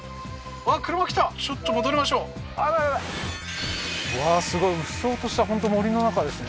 うわ車来たちょっと戻りましょう危ない危ないうわーすごいうっそうとした本当森の中ですね